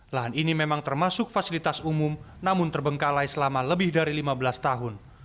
lahan ini memang termasuk fasilitas umum namun terbengkalai selama lebih dari lima belas tahun